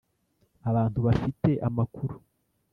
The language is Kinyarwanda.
abantu bafite amakuru